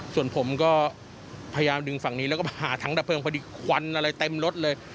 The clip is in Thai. ส่วนผมก็พยายามดึงฝั่งนี้แล้วก็หาถังดับเพลิงพอดีควันอะไรเต็มรถเลย